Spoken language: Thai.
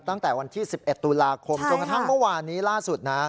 ตั้งแต่วันที่๑๑ตุลาคมจนกระทั่งเมื่อวานนี้ล่าสุดนะ